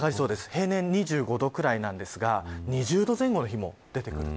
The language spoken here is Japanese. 平年、２５度ぐらいなんですが２０度前後の日も出てくる。